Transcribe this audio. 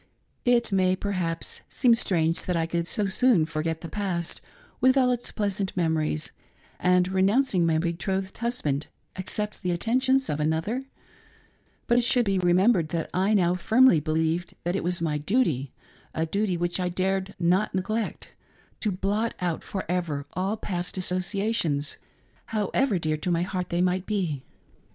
It may, perhaps, seem strange that I could so soon forget the past, with all its pleasant memories, and renouncing m*y betrothed husband, accept the attentions of another ; but it should be remembered that I now firmly believed it was my duty — a duty which I dared not neglect — to blot out for ever all past associations, however dear to my heart they might be.